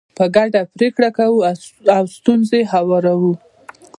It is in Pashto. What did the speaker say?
په ګډه پرېکړې کوو او ستونزې هواروو.